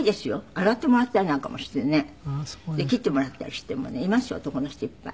洗ってもらったりなんかもしてね切ってもらったりしてもねいますよ男の人いっぱい。